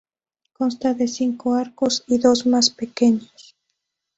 Consta de cinco arcos y dos más pequeños.